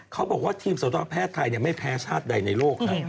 เขาบอกว่าทีมสตแพทย์ไทยไม่แพ้ชาติใดในโลกนะ